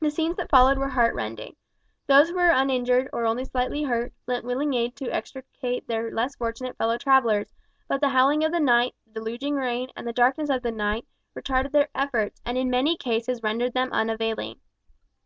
The scenes that followed were heart rending. Those who were uninjured, or only slightly hurt, lent willing aid to extricate their less fortunate fellow travellers, but the howling of the wind, the deluging rain, and the darkness of the night, retarded their efforts, and in many cases rendered them unavailing.